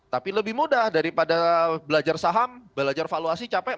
tapi lebih mudah daripada belajar saham belajar valuasi capek